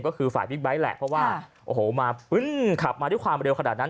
ก็คือฝ่ายบิ๊กไบท์แหละเพราะว่าโอ้โหมาปึ้นขับมาด้วยความเร็วขนาดนั้น